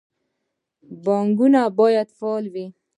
بانکونه باید فعال وي